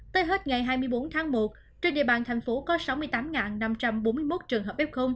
tới hết ngày hai mươi bốn tháng một trên địa bàn thành phố có sáu mươi tám năm trăm bốn mươi một trường hợp f